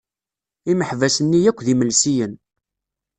Imeḥbas-nni yakk d imelsiyen.